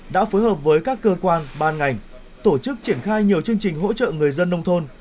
đã phối hợp với các cơ quan ban ngành tổ chức triển khai nhiều chương trình hỗ trợ người dân nông thôn